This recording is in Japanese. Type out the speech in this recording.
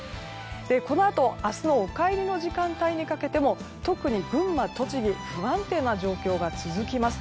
このあと明日のお帰りの時間帯にかけても特に群馬、栃木は不安定な状況が続きます。